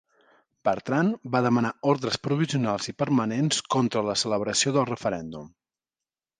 Bertrand va demanar ordres provisionals i permanents contra la celebració del referèndum.